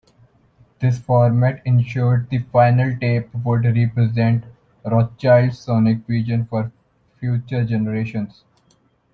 This format insured the final tape would represent Rothchild's sonic vision for future generations.